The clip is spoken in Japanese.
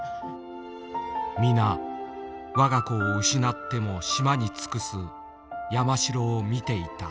皆我が子を失っても島に尽くす山城を見ていた。